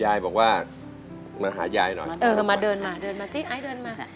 ยายบอกว่ามาหายายหน่อยเออมาเดินมาสิไอ้เดินมา